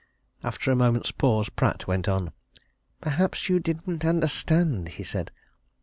After a moment's pause Pratt went on. "Perhaps you didn't understand," he said.